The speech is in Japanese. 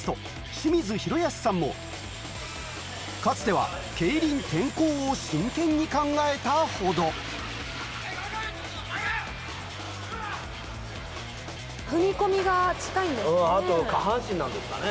清水宏保さんもかつては競輪転向を真剣に考えたほどあと下半身なんですかね。